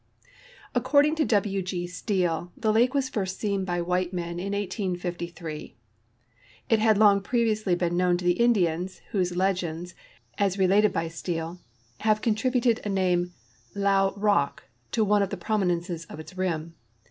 According to W. G. Steel.t tiie lake was first seen by wliite men in 1853. It had long previous!}^ been known to the In dians, whose legends, as related by Steel, + have contributed a name, Llao rock, to one of the prominences of its rim.